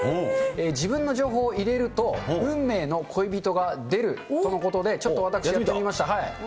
自分の情報を入れると、運命の恋人が出るとのことで、ちょっと私、やってみました。